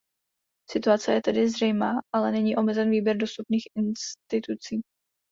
Situace je tedy zřejmá, ale není omezen výběr dostupných institucí.